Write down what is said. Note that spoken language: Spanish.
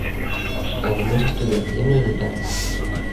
Además estudia piano y guitarra.